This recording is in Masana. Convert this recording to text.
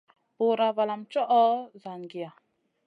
Bùra valam ma tchoho zangiya.